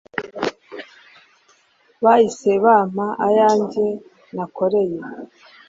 bahise bampa ayanjye nakoreye